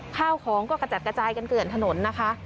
ข้าวของก็กระจัดกระจายเกินถนนนะคะ